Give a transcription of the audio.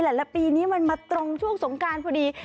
ละปีนี้มันมาตรงช่วงสงการพอดี